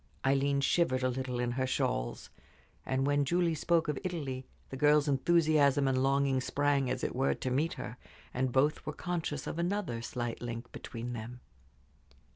Aileen shivered a little in her shawls, and when Julie spoke of Italy the girl's enthusiasm and longing sprang, as it were, to meet her, and both were conscious of another slight link between them.